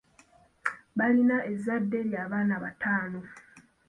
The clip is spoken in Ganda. Balina ezzadde ly'abaana bataano